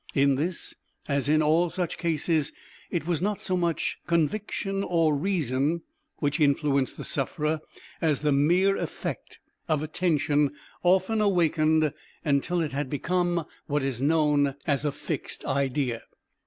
In this, as in all such cases, it was not so much conviction or reason which influenced the sufferer as the mere effect of Attention often awakened till it had become what is known as a fixed idea.